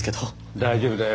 大丈夫だよ。